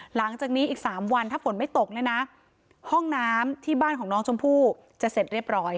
หลังจากนี้อีก๓วันถ้าฝนไม่ตกเนี่ยนะห้องน้ำที่บ้านของน้องชมพู่จะเสร็จเรียบร้อย